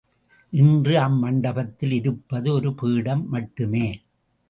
இன்று அம்மண்டபத்தில் இருப்பது ஒரு பீடம் மட்டுமே.